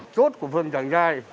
chốt của phường trần giai